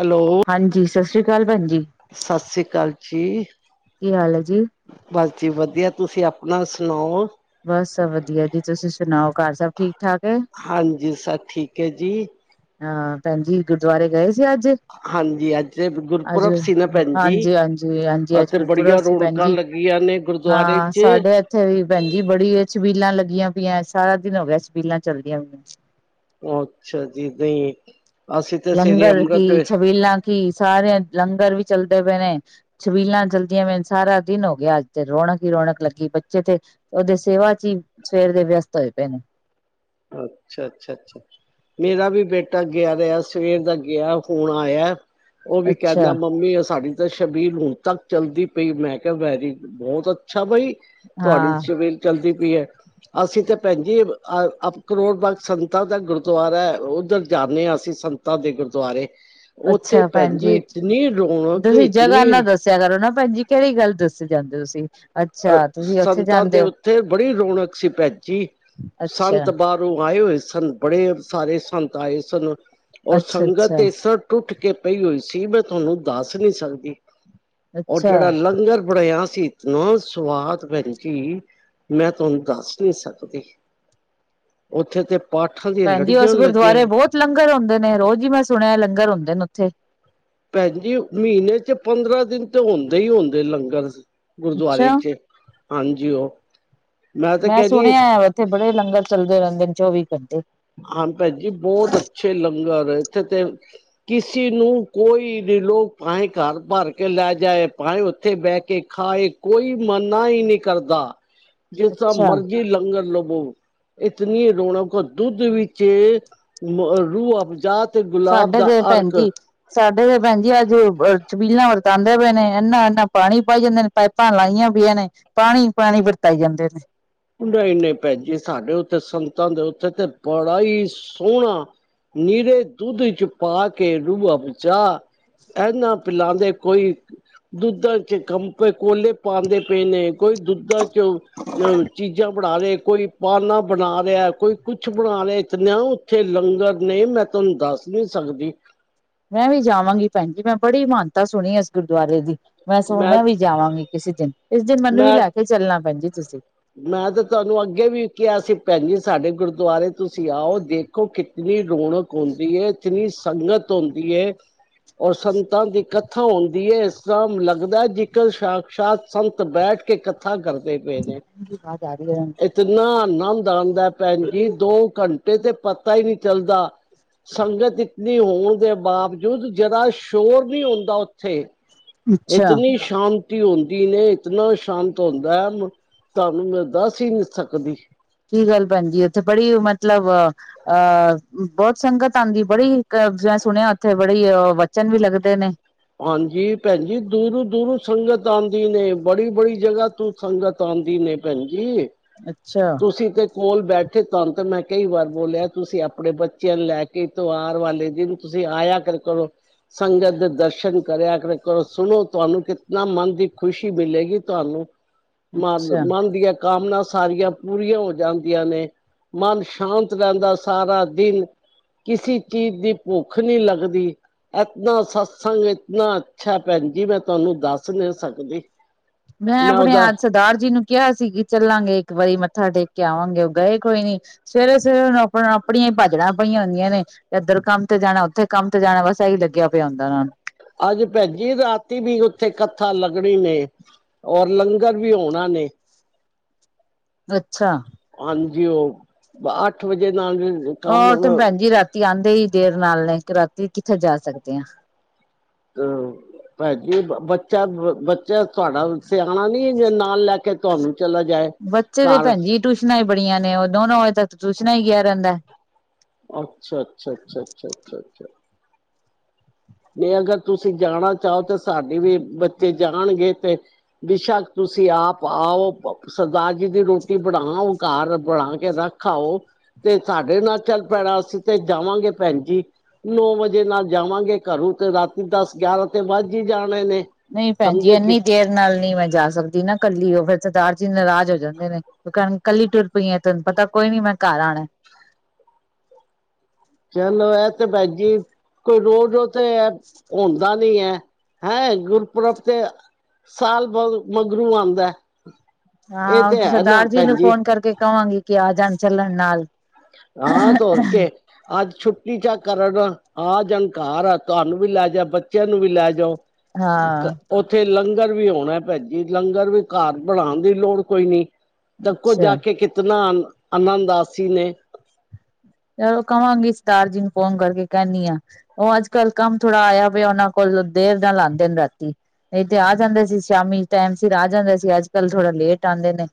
Hello. ਸਤ ਸ੍ਰੀ ਕਾਲ ਭੈਣਜ ਸਤ ਸ੍ਰੀ ਕਾਲ। ਜੀ। ਕੀ ਹਾਲ ਹੈ ਜੀ ਬਸ ਜੀ ਵਧੀਆ। ਤੁਸੀਂ ਅਪ ਨਾ ਸੁਣਾਓ। ਬਸ ਵਧੀਆ ਜੀ। ਤੁਸੀਂ ਸੁਣਾਓ, ਘਰ ਸਭ ਠੀਕ-ਠਾਕ? ਹਾਂਜੀ, ਸਭ ਠੀਕ ਹੈ ਜੀ। ਹਾਂ, ਭੈਣਜੀ ਗੁਰਦੁਆਰੇ ਗਏ ਜੇ ਅੱਜ, ਹਾਂਜੀ, ਅੱਜ ਅੱਜ ਗੁਰਪੁਰਬ ਸੀ ਨਾ ਭੈਣ ਜੀ। ਹਾਂਜੀ ਹਾਂਜੀ ਹਾਂਜੀ ਅੱਜ ਅਤੇ ਗੁਰਪੁਰਬ ਬੜੀਆਂ ਸੀ ਰੌਣਕਾਂ ਭੈਣਜੀ। ਲੱਗੀਆਂ ਨੇ ਗੁਰਦੁਆਰੇ ਹਾਂ, ਚ। ਸਾਡੇ ਐਥੇ ਵੀ ਭੈਣਜੀ ਬੜੀ ਏ ਸ਼ਬੀਲਾਂ ਲੱਗੀਆਂ ਪੀਐਂ, ਸਾਰਾ ਦਿਨ ਹੋ ਗਿਆ ਸ਼ਬੀਲਾਂ ਚਲਦੀਆਂ ਹੋਵਣ। ਅੱਛਾ ਜੀ ਨਹੀਂ। ਅਸੀਂ ਤਾਂ ਸਵੇਰੇ ਲੰਗਰ ਕੀ ਅੰਮ੍ਰਿਤ ਛਬੀਲਾ ਕੀ ਸਾਰੇਆਂ ਲੰਗਰ ਵੀ ਚੱਲਦੇ ਪਏ ਨੇ, ਛਬੀਲਾਂ ਚਲਦੀਆਂ ਪਈਐ ਸਾਰਾ ਦਿਨ ਹੋ ਗਿਆ ਅੱਜ ਤੇ ਰੌਣਕ ਈ ਰੌਣਕ ਲੱਗੀ। ਬੱਚੇ ਤੇ ਔਦੇ ਸੇਵਾ ਚੀ ਸਵੇਰ ਦੇ ਵਿਅਸਤ ਹੋਏ ਪਏ ਨੇ। ਅੱਛਾ ਅੱਛਾ ਅੱਛਾ, ਮੇਰਾ ਵੀ ਬੇਟਾ ਗਿਆ ਦੈ, ਅੱਜ ਸਵੇਰ ਦਾ ਗਿਆ ਹੁਣ ਆਯੈ। ਔ ਵੀ ਅੱਛਾ ਕੈੰਦਾ ਮੰਮੀ ਔ ਸਾਡੀ ਦ ਸ਼ਬੀਲ ਹੁਣ ਤੱਕ ਚੱਲਦੀ ਪਈ, ਮੈਂ ਕਿਆ ਵੈਰੀ ਬੌਤ ਅੱਛਾ ਬਈ। ਤੁਹਾਡੀ ਹਾਂ ਸ਼ਬੀਲ ਚਲਦੀ ਵੀ ਐ, ਅਸੀਂ ਤਾਂ ਪੈੰਜੀ ਅ ਅਪ ਕਰੋੜ ਬਾਗ ਸੰਤਾਂ ਦਾ ਗੁਰਦੁਆਰਾ ਐ, ਓਧਰ ਜਾਂਣੇ ਆਂ ਅਸੀਂ ਸੰਤਾਂ ਦੇ ਗੁਰਦੁਆਰੇ। ਉੱਥੇ ਅੱਛਾ ਭੈਣ ਜੀ ਭੈਣਜੀ, ਇਤਨੀ ਰੌਣਕ ਤੁਸੀਂ ਜਗ੍ਹਾ ਨਾ ਇਤਨੀ ਦੱਸਿਆ ਕਰੋ ਨਾ। ਪੈੰਜੀ ਕੇੜੀ ਗੱਲ ਦੱਸੇ ਜਾਂਦੇ ਔ। ਅ ਸੰਤਾਂ ਦੇ ਉੱਥੇ ਬੜੀ ਰੌਣਕ ਸੀ ਪੈੰਜੀ, ਅੱਛਾ ਸੰਤ ਬਾਰੋਂ ਆਏ ਹੋਏ ਸਨ। ਬੜੇ ਸਾਰੇ ਸੰਤ ਆਏ ਸਨ। ਔਰ ਅੱਛਾ ਸੰਗਤ ਅੱਛਾ ਇ ਸਰ ਟੁੱਟ ਕੇ ਪਈ ਹੋਈ ਸੀ ਮੈਂ ਤੁਹੈਨੂੰ ਦੱਸ ਨੀ ਸਕਦੀ। ਔਰ ਅੱਛਾ ਜੇੜਾ ਲੰਗਰ ਬਣਿਆ ਸੀਤ ਨਾ ਸਵਾਦ ਭੈਣ ਜੀ ਮੈਂ ਤੁਹਾਨ ਦੱਸ ਨੀ ਸਕਦੀ‌।ਔਥੇ ਤੇ ਪਾਠਾਂ ਦੀਆਂ ਭੈਣਜੀ ਲੜੀਆਂ ਉਸ ਲੱਗੀਆਂ। ਗੁਰਦੁਆਰੇ ਬਹੁਤ ਲੰਗਰ ਹੁੰਦੇ ਨੇ ਰੋਜ਼ ਹੀ ਮੈਂ ਸੁਣਿਆ ਲੰਗਰ ਹੁੰਦੇ ਨੇ ਉੱਥੇ ਭੈਣਜੀ ਮਹੀਨੇ ਚ ਪੰਦਰਾਂ ਦਿਨ ਤੇ ਹੁੰਦੇ ਹੀ ਹੁੰਦੇ ਲੰਗਰ ਗੁਰਦੁਆਰੇ ਅੱਛਾ ਚ ਹਾਂਜੀਿਓ ਮੈਂ ਸੁਣਿਆ ਆ ਇੱਥੇ ਬੜੇ ਲੰਗਰ ਚੱਲਦੇ ਰਹਿੰਦੇ ਚੌਵੀ ਘੰਟੇ ਹ ਭੈ ਜੀ ਬਹੁਤ ਅੱਛੇ ਲੰਗਰ ਹੈ ਉਥੇ ਤੇ ਕਿਸੇ ਨੂੰ ਕੋਈ ਨੀ ਲੋ ਭਾਵੇਂ ਘਰ ਭਰ ਕੇ ਲੈ ਜਾਏ ਭਾਵੇਂ ਉੱਥੇ ਬਹਿ ਕੇ ਖਾਏ ਕੋਈ ਮਨਾ ਹੀ ਨਹੀਂੀ ਕਰਦਾ ਜਿਸਾ ਅੱਛਾ ਮਰਜ਼ੀ ਲੰਗਰ ਲਗੋ ਇਤਨੀ ਰੁਣਕ ਦੁੱਧ ਵਿੱਚ ਰੋਬਜਾ ਤੇ ਗੁਲਾਬ ਸਾਡੇ ਦਾ ਤੇ ਭੈਣ ਅਰਕ ਜੀ ਸਾਡੇ ਭੈਣਜੀ ਅੱਜ ਛਬੀਲਾਂਦੇ ਪਏ ਨੇ ਨਾ ਪਾਣੀ ਪਾਈ ਜਾਂਦਾ ਪਾਣੀ ਪਾਣੀ ਵਰਤਾਏ ਜਾਂਦੇ ਨਹੀਂ ਨਹੀਂ ਭੈਜੀ ਸਾਡੇ ਉੱਥੇ ਸੰਤਾਂ ਦੇ ਉੱਥੇ ਤੇ ਬੜਾ ਹੀ ਸੋਹਣਾ ਨੀਰੇ ਦੁੱਧ ਚ ਪਾ ਕੇ ਰੂਹ ਬਚਾ ਹੈ ਨਾ ਪਲਾਾਂਦੇ ਕੋਈ ਦੁੱਧਾਂ ਚ ਕੰਪੇ ਕੋਲੇ ਪਾਉਂਦੇ ਪਏ ਨੇ ਕੋਈ ਦੁੱਧਾ ਚ ਅ ਜ ਬਣਾ ਦੇ ਕੋਈ ਪਾਨਾ ਬਣਾ ਲਿਆ ਕੋਈ ਕੁਛ ਬਣਾ ਲਿਆ ਇਤਨਾ ਉੱਥੇ ਲੰਗਰ ਨੇ ਮੈਂ ਤੁਹਾਨੂੰ ਦੱਸ ਨਹੀਂ ਸਕਦੀ ਮੈਂ ਵੀ ਜਾਵਾਂਗੀ ਭੈਣ ਜੀ ਮੈਂ ਬੜੀ ਮਾਨਤਾ ਸੁਣੀ ਇਸ ਗੁਰਦੁਆਰੇ ਦੀ ਮੈਂ ਸੁ ਹਣ ਮੈਂ ਵੀ ਜਾਵਾਂਗੀ ਕਿਸੇ ਦਿਨ ਮੈਨੂੰ ਵੀ ਮੈਂ ਲੈ ਕੇ ਚੱਲਣਾ ਪੈਂ ਜ ਤੁਸੀਂ ਮੈਂ ਤੇ ਤੁਹਾਨੂੰ ਅੱਗੇ ਵੀ ਕਿਹਾ ਸੀ ਪੈਂਨੀ ਸਾਡੇ ਗੁਰਦੁਆਰੇ ਤੁਸੀਂ ਆਓ ਦੇਖੋ ਕਿਤਨੀ ਰੌਣਕ ਹੁੰਦੀ ਹੈ ਇਤਨੀ ਸੰਗਤ ਹੁੰਦੀ ਹੈ ਔਰ ਸੰਤਾਂ ਦੀ ਕਥਾ ਹੁੰਦੀ ਹੈ ਤਾਂ ਲੱਗਦਾ ਜੇ ਸਾਕਸ਼ਾਤ ਸੰਤ ਬੈਠ ਕੇ ਕੱਥਾ ਕਰਦੇ ਪਏ ਨੇ ਆਵਾਜ਼ ਆ ਰਹੀ ਹੈ ਇਤਨਾ ਆਨੰਦ ਆਉਂਦਾ ਹੈ ਭੈਣ ਜੀ ਦੋ ਘੰਟੇ ਤੇ ਪਤਾ ਹੀ ਨਹੀਂੀ ਚੱਲਦਾ ਸੰਗਤ ਇਤਨੀ ਹੋਣ ਦੇ ਬਾਵਜੂਦ ਜਰਾ ਸ਼ੋਰ ਨਹੀਂ ਹੁੰਦਾ ਉੱਥੇ ਅੱਛਾ ਇਤਨੀ ਸ਼ਾਂਤੀ ਹੁੰਦੀ ਨੇ ਇਤਨਾ ਸ਼ਾਂਤ ਹੁੰਦਾ ਹੈ ਤੁਹਾਨੂੰ ਮੈਂ ਦੱਸ ਹੀ ਨਹੀਂ ਸਕਦੀ। ਕੀ ਗੱਲ ਭੈਣਜੀ ਉੱਥੇ ਬੜੀ ਮਤਲਬ ਅਹ ਬਹੁਤ ਸੰਗਤ ਆਉਂਦੀ ਬੜੀ ਮੈਂ ਸੁਣਿਆ ਉੱਥੇ ਬੜੀ ਵਚਨ ਵੀ ਲੱਗਦੇ ਨੇ। ਹਾਂਜੀ। ਭੈਣਜੀ ਦੂਰੋਂ ਦੂਰੋਂ ਸੰਗਤ ਆ ਨੇ ਬੜੀ ਬੜੀ ਜਗ੍ਹਾ ਤੂੰ ਸੰਗਤ ਆਉਂਦੀ ਨੇ ਭੈਣ ਜੀ। ਅੱਛਾ ਤੁਸੀਂ ਤੇ ਕੋਲ ਬੈਠੇ ਤੁਹਾਨ ਤੇ ਮੈਂ ਕਈ ਵਾਰ ਬੋਲਿਆ ਤੁਸੀਂ ਆਪਣੇ ਬੱਚਿਆਂ ਨੂੰ ਲੈ ਕੇ ਤਿਉਹਾਰ ਵਾਲੇ ਦਿਨ ਤੁਸੀਂ ਆਇਆ ਕਰ ਕਰੋ ਸੰਗਤ ਦੇ ਦਰਸ਼ਨ ਦਰਸ਼ਨ ਕਰਿਆ ਕਰ ਕਰੋ ਸੁਣੋ ਤੁਹਾਨੂੰ ਕਿਤਨਾ ਮਨ ਦੀ ਖ਼ੁਸ਼ੀ ਮਿਲੇਗੀ ਤੁਹਾਨੂੰ ਮ ਅੱਛਾ ਮੰਨਦੀਆਂ ਕਾਮਨਾ ਸਾਰੀਆਂ ਪੂਰੀਆਂ ਹੋ ਜਾਂਦੀਆਂ ਨੇ ਮਨ ਸ਼ਾਂਤ ਰਹਿੰਦਾ ਸਾਰਾ ਦਿਨ ਕਿਸੇ ਚੀਜ਼ ਦੀ ਭੁੱਖ ਨਹੀਂ ਲੱਗਦੀ ਇਤਨਾ ਸ ਸੰਗਤ ਇਤਨਾ ਅੱਛਾ ਭੈਣ ਜੀ ਮੈਂ ਤੁਹਾਨੂੰ ਦੱਸ ਨਹੀਂ ਸਕਦੀ ਨਾ ਮੈਂ ਜੀ ਨਾ, ਉਹਦਾ ਸਰਦਾਰ ਜੀ ਨੂੰ ਕਿਹਾ ਸੀ ਕਿ ਚੱਲਾਂਗੇ ਇੱਕ ਵਾਰੀ ਮੱਥਾ ਟੇਕ ਕੇ ਆਵਾਂਗੇ। ਉਹ ਗਏ ਕੋਈ ਨੀ ਸਵੇਰੇ ਸਵੇਰੇ ਉਹਨੂੰ ਆਪਣਾ ਆਪਣੀਆਂ ਹੀ ਭੱਜੜਾਂ ਪਈਆਂ ਹੁੰਦੀਆਂ ਨੇ ਇੱਧਰ ਕੰਮ ਤੇ ਜਾਣਾ ਉੱਥੇ ਕੰਮ ਤੇ ਜਾਣਾ ਬਸ ਇਹੀ ਲੱਗਿਆ ਪਿਆ ਹੁੰਦਾ। ਉਹ ਨੂੰ ਅੱਜ ਭੈਣ ਜੀ ਰਾਤੀ ਵੀ ਉੱਥੇ ਕੱਥਾ ਲੱਗਣੀ ਨੇ ਔਰ ਲੰਗਰ ਵੀ ਹੋਣਾ ਏ ਅੱਛਾ ਹਾਂਜੀ ਉਹ ਆਠ ਵਜੇ ਨਾਲ ਉਹ ਤੇ ਕੰਮ ਭੈਣ ਜੀ ਰਾਤੀ ਆਉਂਦੇ ਹੀ ਦੇਰ ਨਾਲ ਨੇ ਕ ਰਾਤੀ ਕਿੱਥੇ ਜਾ ਸਕਦੇ ਹਾਂ। ਤੇ ਤੁਹਾਡਾ ਬੱਚਾ ਰੋ ਬੱਚਾ ਤੁਹਾਡਾ ਸਿਆਣਾ ਨੀ ਜੇ ਨਾਲ ਲੈ ਕੇ ਤੁਹਾਨੂੰ ਚਲਾ ਜਾਏ ਬੱਚੇ ਤੇ ਘਰ ਭੈਣ ਜੀ ਟਿਊਸ਼ਨਾਂ ਹੀ ਬੜੀਆਂ ਨੇ ਉਹ ਦੋਨੋ ਵਜੇ ਤੱਕ ਟਿਊਸ਼ਨਾਂ ਹੀ ਗਿਆ ਰਹਿੰਦਾ ਐ। ਅੱਛਾ ਅੱਛਾ ਅੱਛਾ ਅੱਛਾ ਅੱਛਾ ਅੱਛਾ ਜੇ ਅਗਰ ਤੁਸੀਂ ਜਾਣਾ ਚਾਹੋ ਤਾਂ ਸਾਡੀ ਵੀ ਬੱਚੇ ਜਾਣਗੇ ਤੇ ਬੇਸ਼ੱਕ ਤੁਸੀਂ ਆਪ ਆਓ ਸਰਦਾਰ ਜੀ ਦੀ ਰੋਟੀ ਬਣਾਓ ਘਰ ਬਣਾ ਕੇ ਰੱਖ ਆਓ ਤੇ ਸਾਡੇ ਨਾਲ ਚੱਲ ਪੈਣਾ। ਅਸੀਂ ਤੇ ਜਾਵਾਂਗੇ ਭੈਣ ਜੀ ਨੌ ਵਜੇ ਨਾਲ ਜਾਵਾਂਗੇ। ਘਰੋਂ ਤੇ ਰਾਤੀ ਦਸ ਗਿਆਰਾਂ ਤੇ ਵੱਜ ਹੀ ਜਾਣਾ ਨਹੀਂ ਭੈਣ ਜੀ ਇੰਨੀ ਦੇਰ ਨਾਲ ਨਹੀਂ ਮੈਂ ਜਾ ਸਕਦੀ ਨਾ ਕੱਲੀ ਉਹ ਫਿਰ ਸਰਦਾਰ ਜੀ ਨਾਰਾਜ਼ ਹੋ ਜਾਂਦੇ ਨੇ ਕਿ ਕਹਿਣ ਕੱਲੀ ਟੁਰ ਪਈ ਆ ਤੈਨੂੰ ਪਤਾ ਕੋਈ ਨੀ ਮੈਂ ਘਰ ਆਉਣਾ। ਚਲੋ ਇਹ ਤੇ ਭੈਣ ਜੀ ਕੋਈ ਰੋਜ ਰੋਜ ਤੇ ਹਣਦਾ ਨੀ ਹੈ। ਹੈਂ ।ਗੁਰਪੁਰਬ ਤੇ ਸਾਲ ਬਹੁਤ ਮਗਰੋ ਆਉਂਦਾ । ਹਾਂ। ਸਰਦਾਰ ਜੀ ਨੂੰ ਫੋਨ ਕਰਕੇ ਕਵਾਂਗੀ ਕਿ ਆਜਣ ਚੱਲਣ ਨਾਲ ਹਾਂ ਤੇ ਹੋਰ ਕੇ ਛੁੱਟੀ ਚ ਕਰਨ ਆਹ ਜਣ ਘਰ ਆ ਤੁਹਾਨੂੰ ਵੀ ਲੈ ਜਾ ਬੱਚਿਆਂ ਨੂੰ ਵੀ ਲੈ ਜਾਣ ਹਾਂ ਤਾਂ ਉੱਥੇ ਲੰਗ ਲੰਗਰ ਵੀ ਆਣਾ ਭੈਨ ਜੀ ਲੰਗਰ ਵੀ ਘਰ ਬਣਾਉਣ ਦੀ ਲੋੜ ਕੋਈ ਨੀ। ਦਬਕੋ ਅੱਛਾ ਜਾ ਕੇ ਕਿਤਨਾ, ਅਨੰਨਦਾਸੀ ਨੇ। ਚਲੋ ਕਵਾਂਗੀ ਸਰਦਾਰ ਜੀ ਨੂੰ ਫੋਨ ਕਰਕੇ ਕਹਿੰਦੀ ਆ, ਉਹ ਅੱਜ ਕੱਲ ਕੰਮ ਥੋੜਾ ਆਇਆ ਪਿਆ ਉਹਨਾਂ ਕੋਲ ਦੇਰ ਨਾਲ ਆਦੇ ਨੇ ਰਾਤੀ ਨਹੀਂ ਤੇ ਆ ਜਾਂਦੇ ਸੀ, ਸ਼ਾਮੀ ਟਾਈਮ ਫਿਰ ਆ ਜਾਂਦੇ ਸੀ ਅੱਜ ਕੱਲ੍ਹ ਥੋੜਾ ਲੇਟ ਆਦੇ ਨੇ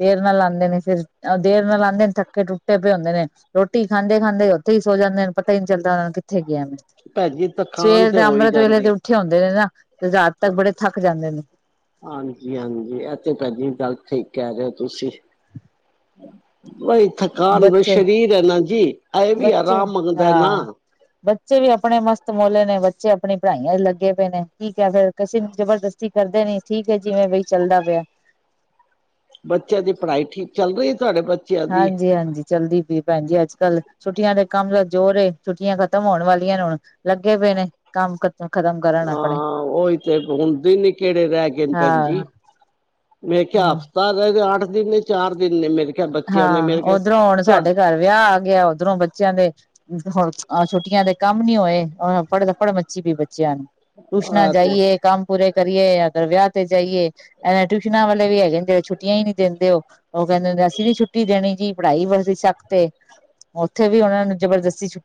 ਦੇਰ ਨਾਲ ਆਦੇ ਨੇ ਫਿਰ ਦੇਰ ਨਾਲ ਆਦੇ ਨੇ ਥੱਕੇ ਟੁੱਟੇ ਪਏ ਹੁੰਦੇ ਨੇ ਰੋਟੀ ਖਾਂਦੇ, ਖਾਂਦੇ ਉੱਥੇ ਹੀ ਸੋ ਜਾਂਦੇ ਨੇ ਪਤਾ ਨੀ ਚੱਲਦਾ ਉਹ ਨੂੰ ਕਿੱਥੇ ਭੈਣ ਜੀ ਥਕਾਨ ਸਵੇਰ ਤੇ ਤਾਂ ਹੋ ਹੀ ਅੰਮ੍ਰਿਤ ਵੇਲੇ ਤੇ ਜਾਂਦੀ ਉੱਠੇ ਹੁੰਦੇ ਨੇ ਨਾ। ਤੇ ਰਾਤ ਤੱਕ ਬੜੇ ਥੱਕ ਜਾਂਦੇ ਨੇ ਹਾਂਜੀ, ਹਾਂਜੀ ਇਥੇ ਭੈਣ ਜੀ ਗੱਲ ਠੀਕ ਕਹਿ ਰਹੇ ਹੋ ਤੁਸੀਂ ਬਈ ਥਕਾਨ ਵੀ ਸ਼ਰੀਰ ਹੈ ਨਾ ਜੀ ਐਵੀ ਬੱਚੇ-ਬੱਚੇ ਆਰਾਮ ਮੰਗਦਾ ਨਾ ਹਾਂ। ਬੱਚੇ ਵੀ ਆਪਣੇ ਮਸਤ ਮੋਲੇ ਨੇ ਬੱਚੇ ਆਪਣੀ ਪੜ੍ਹਾਈਆਂ ਲੱਗੇ ਪਏ ਨੇ ਠੀਕ ਹੈ, ਫੇਰ ਕਿਸੇ ਨੂੰ ਜਬਰਦਸਤੀ ਕਰਦੇ ਨੀ ਠੀਕ ਹੈ ਜਿਵੇਂ ਬਈ ਚੱਲਦਾ ਪਿਆ। ਬੱਚਿਆਂ ਦੀ ਪੜ੍ਹਾਈ ਠੀਕ ਚੱਲ ਰਹੀ? ਤੁਹਾਡੇ ਬੱਚਿਆਂ ਦੀ? ਹਾਂਜੀ-ਹਾਂਜੀ ਚੱਲਦੀ ਪਈ ਭੈਣ ਜੀ ਅੱਜ। ਕੱਲ ਛੁੱਟੀਆਂ ਦੇ ਕੰਮ ਜੋੋਰ ਏ ਛੁੱਟੀਆਂ ਖਤਮ ਹੋਣ ਵਾਲੀਆਂ ਨੇ ਹੁਣ ਲੱਗੇ ਪਏ ਨੇ ਕੰਮ ਖਤਮ ਕਰਨ ਆਪਣੇ ਹਾਂ, ਉਹੀ ਤੇ ਹੁੰਣ ਦੀਨ ਈ ਕਿਹੜੇ ਰਹਿ ਗਏ ਨੇ ਭੈੰਜੀ, ਹਾਂ ਮੈਂ ਕਿਹਾ ਹਫ਼ਤਾ ਰਹਿ ਗਿਆ ਅੱਠ ਤਿਨ, ਚਾਰ ਦਿਨ ਨੇ ਮੇਰੇ ਖਿਆਲ ਬੱਚਿਆਂ ਦੇ ਹਾਂ ਮੇਰੇ ਖਿਆਲ ਓਧਰੋਂ ਹੁਣ ਸਾਡੇ ਘਰ ਵਿਆਹ ਆ ਗਿਆ, ਓਧਰੋਂ ਬੱਚਿਆਂ ਦੇ ਹੁਣ ਛੁੱਟੀਆਂ ਦੇ ਕੰਮ ਨੀ ਹੋਏ ਫੜ ਫੜ ਮੱਚੀ ਪਈ ਬੀ। ਨੂੰ ਤੂਸ਼ਨਾ ਤੁਹਾ ਤੇ ਜਾਈਏ ਕਾਮ ਪੂਰੇ ਕਰੀਏ ਜਾਂ ਫਿਰ ਵਿਆਹ ਤੇ ਜਾਈਏ ਇਹਨਾਂ ਟਿਊਸ਼ਨਾਂ ਵਾਲੇ ਵੀ ਹੈ ਕਹਿੰਦੇ ਛੁੱਟੀਆਂ ਹੀ ਨਹੀਂ ਦਿੰਦੇ ਉਹ ਕਹਿੰਦੇ ਹੁੰਦੇ। ਨ ਛੁੱਟੀ ਦੇਣੀ ਜੀ ਪੜ੍ਹਾਈ ਵਦੀ ਸਕ ਤੇ ਉੱਥੇ ਵੀ ਉਹਨਾ ਨੂੰ ਜਬਰਦਸਤੀ ਛੁੱਟੀ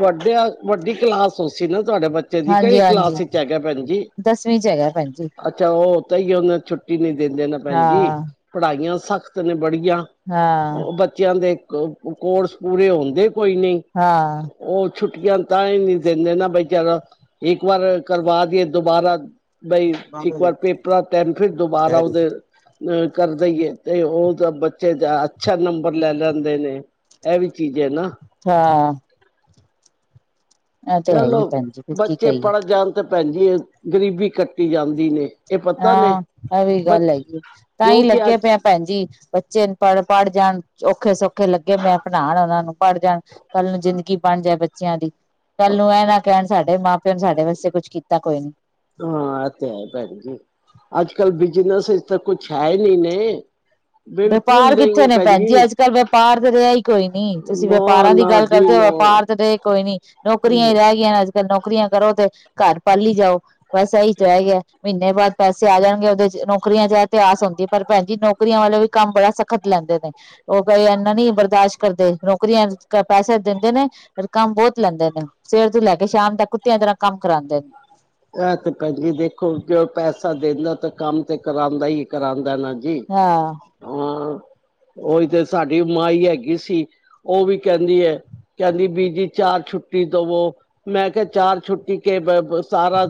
ਵੱਡੇ ਵੱਡੀ ਕਲਾਸ ਹੋ ਸੀ ਨਾ ਤੁਹਾਡੇ ਬੱਚੇ ਦੀ ਕਿਹੜੀ ਹਾਂਜੀ ਕਲਾਸ ਹਾਂਜੀ ਵਿੱਚ ਹੈਗਾ ਭੈਣ ਜੀ ਦਸਵੀਂ ਚ ਹੈਗਾ ਭੈਣ ਜੀ ਅੱਛਾ ਉਹ ਤਾਂ ਹੀ ਉਹਨੇ ਛੁੱਟੀ ਨੀ ਦਿੰਦੇ ਨੇ ਭੈਣ ਜੀ ਹਾਂ ਪੜ੍ਹਾਈਆਂ ਸਖ਼ਤ ਨੇ ਬੜੀ। [unintelligible] ਹਾਂ ਬੱਚਿਆਂ ਦੇ ਕੋਰਸ ਪੂਰੇ ਹੁੰਦੇ ਕੋਈ ਨਹੀਂ। ਹਾਂ। ਉਹ ਛੁੱਟੀਆਂ ਤਾਂ ਹੀ ਨਹੀਂ ਦਿੰਦੇ ਨਾ ਬਚਾਰਾ ਇੱਕ ਵਾਰ ਕਰਵਾ ਦੀਏ ਦੁਬਾਰਾ ਬਈ ਇੱਕ ਵਾਰ ਪੇਪਰਾਂ ਟੈਨਥ ਫਿਰ ਦੁਬਾਰਾ ਉਹਦੇ ਅ ਕਰ ਦੇਈਏ ਤੇ ਉਹ ਤਾਂ ਬੱਚੇ ਦਾ ਅੱਛਾ ਨੰਬਰ ਲੈ ਲੈਂਦੇ ਨੇ ਇਹ ਵੀ ਚੀਜ਼ ਹੈ ਨਾ। ਹਾਂ ਇਹ ਤੇ ਹੈ ਹੀ ਚਲੋ ਭੈਣ ਜੀ ਕੀ ਬੱਚੇ ਕਹੀਏ ਪੜ੍ਹ ਜਾਣ ਤੇ ਭੈਣਜੀ ਗਰੀਬੀ ਕੱਟੀ ਜਾਂਦੀ ਨੇ। ਇਹ ਪਤਾ ਨੇ ਹਾਂ ਇਹ ਵੀ ਗੱਲ ਬੱਚ ਹੈਗੀ ਤਾਂ ਹੀ ਕਿਉਂਕਿ ਲੱਗੇ ਅੱਜ ਪਿਆ ਭੈਣ ਜੀ ਬੱਚੇ ਪੜ੍ਹ ਪੜ੍ਹ ਜਾਣ ਔਖੇ ਸੌਖੇ ਲੱਗੇ ਮੈਂ ਪੜ੍ਹਾਉਣ ਹਨਾਂ ਨੂੰ ਪੜ ਜਾਣ। ਕੱਲ੍ਹ ਨੂੰ ਜ਼ਿੰਦਗੀ ਬਣ ਜਾਏ ਬੱ। ਬੱਚਿਆਂ ਦੀ। ਕੱਲ ਨੂੰ ਇਹ ਨਾ ਕਹਿਣ। ਸਾਡੇ ਮਾ। ਫਿਰ ਸਾਡੇ ਵਾਸਤੇ ਕੁਛ ਕੀਤਾ ਕੋਈ ਨੀ। ਹਾਂ ਇਹ ਤੇ ਹੈ ਭੈਣ ਜੀ ਅੱਜ [unintelligible] ਕੱਲ ਬਿਜਨਸ ਤਾਂ ਕੁ ਛਾਏ ਨੀ ਨੇ, ਬਿਲਕੁਲ ਵਪਾਰ ਨਹੀਂ ਕਿੱਥੇ ਹੈ ਨੇ ਭੈਣ ਜੀ ਅੱਜ ਕੱਲ੍ਹ ਵਪਾਰ ਤੇ ਰਿਹਾ ਹੀ ਕੋਈ ਨੀ ਤੁਸੀਂ ਨਾ ਵਪਾਰਾਂ ਦੀ ਨਾ ਗੱਲ ਜੀ ਕਰਦੇ ਹੋ ਨਾ ਵਪਾਰ ਤੇ ਰਹੇ ਕੋਈ ਨੀ ਨੌਕਰੀਆਂ ਹੀ ਰਹਿ ਗਈਆਂ ਨੇ ਅੱਜ। ਨੌਕਰੀਆਂ ਕਰੋ ਤੇ ਘਰ ਪਾਲੀ ਜਾਓ, [unintelligible] ਬਸ ਏਹ ਚ ਆ ਗਿਆ। ਮਹੀਨੇ ਬਾਅਦ ਪੈਸੇ ਆ ਜਾਣਗੇ ਉਹਦੇ ਚ ਨੌਕਰੀਆਂ ਚ ਇਤਿਹਾਸ ਹੁੰਦੀ ਹੈ ਪਰ ਭੈਣ ਜੀ ਨੌਕਰੀਆਂ ਵੱਲੋਂ ਵੀ। ਕੰਮ ਬੜਾ ਸਖਤ ਲੈਂਦੇ ਨੇ ਉਹ ਕਈ ਇਨਾ ਨਹੀਂ ਬਰਦਾਸ਼ਤ ਕਰਦੇ ਨੌਕਰੀਆਂ ਪੈਸੇ ਦਿੰਦੇ ਨੇ ਕੰਮ ਬਹੁਤ ਲੈਂਦੇ ਨੇ ਸਵੇਰ ਤੋਂ ਲੈ ਕੇ ਸ਼ਾਮ ਤੱਕ ਕੁੱਤਿਆਂ ਤਰ੍ਹਾਂ ਕੰਮ ਕਰਾਦੇ ਨੇ। ਆਹ ਤੇ ਭੈਣਜੀ ਦੇਖੋ ਜੋ ਪੈਸਾ ਦਿੰਦਾ ਤਾਂ ਕੰਮ ਤੇ ਕਰਉਦਾ ਹੀ ਕਰਾਉਂਦਾ [unintelligible] ਪਹਿਲਾ ਜੀ ਹਾਂ । ਉਹੀ ਤੇ ਸਾਡੀ ਮਾਈ ਹੈਗੀ ਸੀ ਉਹ ਵੀ ਕਹਿੰਦੀ ਹੈ ਕਹਿੰਦੀ ਬੀਬੀ ਚਾਰ ਛੁੱਟੀ ਦਵੋ ਮੈਂ ਕਿਹਾ ਚਾਰ ਛੁੱਟੀ ਕੇ, [unintelligible] ਸਾਰਾ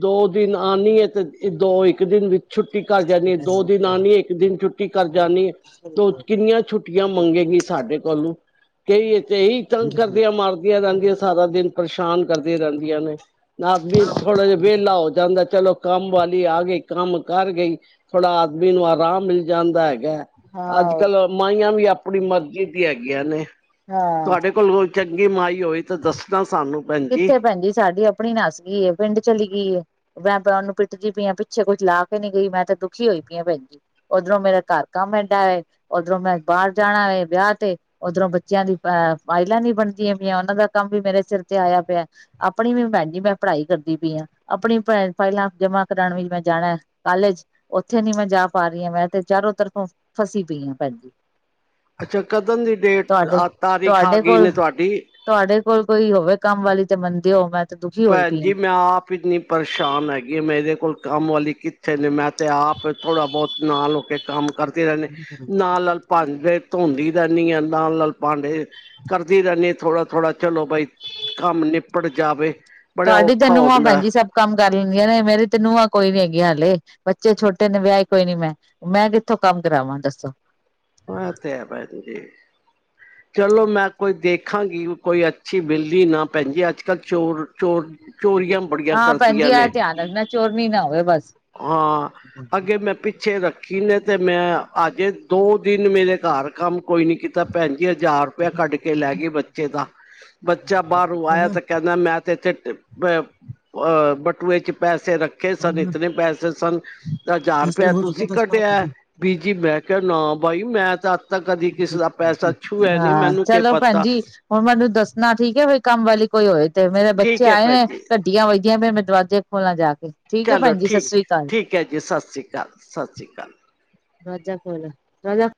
ਦੋ ਦਿਨ ਆਉਣੀ ਏ ਤੇ ਦੋ ਇੱਕ ਦਿਨ ਵਿੱਚ, ਛੁੱਟੀ ਕਰ ਜਾਣੀ ਹੈ ਦੋ ਦਿਨ ਆਣੀ ਹੈ ਇੱਕ ਦਿਨ ਛੁੱਟੀ ਕਰ ਜਾਣੀ ਹੈ ਤ ਕਿੰਨੀਆਂ ਛੁੱਟੀਆਂ ਮੰਗੇਗੀ ਸਾਡੇ ਕੋਲੋਂ, ਕ ਤੇ ਇਹੀ ਤੰਗ ਕਰਦੀਆਂ ਮਾਰਦੀਆਂ ਰਹਿੰਦੀਆਂ ਸਾਰਾ ਦਿਨ, ਪਰੇਸ਼ਾਨ ਕਰਦੀਆਂ ਰਹਿੰਦੀਆਂ ਨੇ। ਨਾ ਵੀ ਥੋੜਾ ਜਿਹਾ ਵਿਹਲਾ ਹੋ ਜਾਂਦਾ ਚਲੋ, ਕੰਮ ਵਾਲੀ ਆ ਗਈ ਕੰਮ ਕਰ ਗਈ ਥੋੜਾ ਆਦਮੀ ਨੂੰ ਆਰਾਮ ਮਿਲ ਜਾਂਦਾ ਹੈ। ਹਾਂ ਹੋਰ ਅੱਜ-ਕੱਲ ਕੀ ਮਾਈਆਂ ਵੀ ਆਪ ਆਪਣੀ ਮਰਜ਼ੀ ਦੀ ਹੇਗੀਆ ਨੇ, ਹਾਂ ਤੁਹਾਡੇ ਕੋਲੋਂ, ਚੰਗੀ ਮਾਈ ਹੋਈ ਤਾਂ ਦੱਸਣਾ। ਸਾਨੂੰ ਭੈਣ ਜੀ ਕਿੱਥੇ ਭੈਣਜੀ ਸਾਡੀ ਆਪਣੀ ਨਾਸੀ [unintelligible] ਗਈ ਪਿੰਡ ਚਲੀ ਗਈ ਮੈਂ ਉਹਨੂੰ ਪਿੱਟਦੀ ਪਈ ਹ ਪਿੱਛੇ ਕੁੱਛ ਲਾ ਕੇ ਨੀ ਗਈ ਮੈਂ ਤੇ ਦੁਖੀ ਹੋਈ ਪਈ ਹ ਭੈਣ ਜੀ ਉਓਧਰੋਂ ਮੇਰਾ ਘਰ ਕੰਮ ਐਏਡਾ ਹੈ ਉੱਧਰੋਂ ਮੈਂ ਬਾਹਰ ਜਾਣਾ ਵ ਵਿਆਹ ਤੇ ਉਓਧਰੋਂ ਬੱਚਿਆਂ ਦੀ ਅ ਫਾਈਲਾਂ ਨੀ ਬਣਦੀਆਂ ਪਈਆਂ ਉਹਨਾਂ ਦਾ ਕੰਮ ਵੀ ਮੇਰੇ ਸਿਰ [unintelligible] ਆਇਆ ਪਿਆ ਆਪਣੀ ਵੀ ਭੈਣ ਜੀ ਮੈਂ ਪੜ੍ਹਾਈ ਕਰਦੀ ਪਈ ਹਾਂ ਆਪਣੀ ਫਾਈਲਾਂ ਜਮਾ ਕਰਾਉਣ ਵੀ ਮੈਂ ਜਾਣਾ ਕਾਲਜ ਉੱਥੇ ਨੀ ਮੈਂ ਜਾ ਪਾ ਰਹੀ ਹਾਂ ਮੈਂ ਤੇ ਚਾਰੋ ਤਰਫੋਂ ਫਸੀ ਪਈ ਹਾਂ ਭੈਣ ਜੀ। [unintelligible] ਅੱਛਾ ਕਦਣ ਦੀ ਡੇਟ ਤੁਹਾਡੇ ਆ ਤਾਰੀਖ ਆ ਤੁਹਾਡੇ ਗਈ ਕੋਲ ਨੇ ਤੁਹਾਡੀ ਤੁਹਾਡੇ ਕੋਲ ਕੋਈ ਹੋਵੇ ਕੰਮ ਵਾਲੀ ਤੇ ਮੰਨਦੇ ਹੋ ਮੈਂ, ਤੇ ਦੁਖੀ [unintelligible] ਹੋਈ ਭੈਣ ਪਈ ਆ। ਜੀ ਮੈਂ ਆਪ ਇੰਨੀ ਪਰੇਸ਼ਾਨ ਹੈਗੀ ਮੇਰੇ ਕੋਲ ਕੰਮ ਵਾਲੀ ਕਿ ਅੱਛੇ ਨੇ ਮੈਂ ਤੇ ਆਪ ਥੋੜ੍ਹਾ ਬਹੁਤ ਨਾਲ ਹੋ ਕੇ ਕੰਮ ਕਰਦੇ ਰਹਿੰਦੇ ਨਾਲ-ਨਾਲ ਭਾਂਡੇ ਧੋਂਦੀ, [unintelligible] ਰਹਿੰਦੀ ਹਾਂ ਨਾਲ-ਨਾਲ ਪਾਂਡੇ ਕਰਦੀ ਰਹਿੰਦੀ ਥੋੜਾ-ਥੋੜਾ ਚਲੋ ਬਾਈ ਕੰਮ ਨਿਪੜ ਜਾਵੇ। ਬੜਾ ਤੁਹਾਡੀ ਔਖਾ ਤੈਨੂੰ ਨੂੰਹਾਂ ਹੁੰਦਾ ਭਜੀ ਸਭ ਕੰਮ ਕਰ ਲੈਂਦੀਆਂ ਨੇ ਮੇਰੀ ਤੇ ਨੂੰਹਾਂ ਕੋਈ ਨੀ ਹੈਗੀਆਂ ਹਾਲੇ ਬੱਚੇ ਛੋਟੇ ਨੇ ਵਿਆਹ ਕੋਈ ਨੀ ਮੈਂ ਮੈਂ ਕਿੱਥੋਂ ਕੰਮ ਕਰਾਵਾਂ ਦੱਸੋ। ਹਾਂ ਤੇ ਹੈ ਭੈਣ ਜੀ, ਚਲੋ, ਮੈਂ ਕੋਈ ਦੇਖਾਂਗੀ ਕੋਈ ਅੱਛੀ ਬਿੱਲੀ ਨਾ ਪੈਂਦੀ ਅੱਜ ਕੱਲ ਚੋਰ-ਚੋਰ, ਹਾਂ ਭੈਣਜੀ ਆ ਧਿਆਨ ਰੱਖਣਾ ਚੋਰਨੀ ਨਾ ਹੋਵੇ ਬਸ, ਹਾਂ ਅੱਗੇ ਮੈਂ ਪਿੱਛ ਪਿੱਛੇ ਰੱਖੀ ਨੇ ਤੇ ਮੈਂ ਅਜੇ ਦੋ ਦਿਨ ਮੇਰੇ ਘਰ ਕੰਮ ਕੋਈ ਨੀ ਕੀਤਾ ਭੈਣ ਹਜ਼ਾਰ ਰੁਪਈਆ ਕੱਢ ਕੇ ਲੈ ਗਈ ਬੱਚੇ ਦਾ ਬੱਚਾ ਬਾਹਰੋਂ ਆਇਆ ਤੇ ਕਹਿੰਦਾ ਮੈਂ ਤੇ ਇੱਥੇ, ਬਟੂਏ ਚ ਪੈਸੇ, ਤੇ ਰੱਖੇ ਸਾਡੇ, ਪੈਸੇ ਸਨ ਹਜ਼ਾਰ ਰੁਪਇਆ ਤੁਸੀਂ ਕੱਢਿਆ ਵੀ, ਜੀ ਮੈਂ ਕਿਹਾ ਨਾ ਬਾਈ ਮੈਂ ਤਾਂ, ਤੱਕ ਕਦੀ ਕਿਸੇ ਦਾ ਪੈਸਾ ਛੂਆ ਨੀ ਹਾਂ, ਮੈਨੂੰ ਕੀ ਚਲੋ ਪਤਾ ਭੈਣਜੀ ਹੁਣ ਮੈਨੂੰ ਦੱਸਣਾ ਠੀਕ ਹੈ ਜੇ ਕੰਮਵਾਲੀ ਕੋਈ ਹੋਵੇ। ਤੇ ਮੇਰੇ ਬੱਚੇ ਠੀਕ ਹੈ ਆਏ ਭੈਣ ਨੇ ਜੀ ਘੱਡੀਆਂ ਵਜਦੀਆਂ ਫੇਰ ਮੈਂ ਦਰਵਾਜ਼ੇ, ਖੋਲਾਂ ਜਾ ਕੇ ਠੀਕ ਐ ਚਲੋ ਭੈਣ ਜੀ ਸਤਿ ਠੀਕ ਸ੍ਰੀ ਅਕਾਲ ਠੀਕ ਹੈ ਜੀ ਸਤਿ ਸ਼੍ਰੀ ਅਕਾਲ ਸਤਿ ਸ਼੍ਰੀ ਅਕਾਲ, ਦਰਵਾਜਾ ਖੋਲ ਆਜਾ,